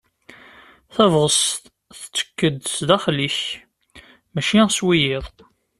Tabɣest tettek-d s daxel-ik mačči s wiyiḍ.